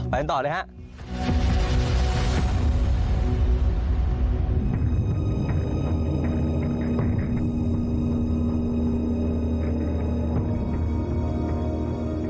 กันต่อเลยครับ